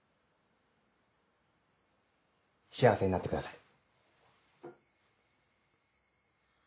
幸せになってください。